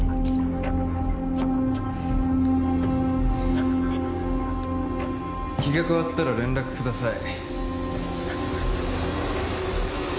フッ気が変わったら連絡ください